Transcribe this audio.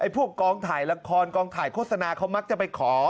พวกกองถ่ายละครกองถ่ายโฆษณาเขามักจะไปขอ